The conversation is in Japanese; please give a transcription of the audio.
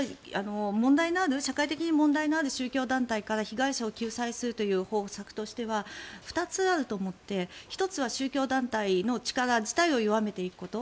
社会的に問題のある宗教団体から被害者を救済するという方策としては２つあると思って、１つは宗教団体の力自体を弱めていくこと。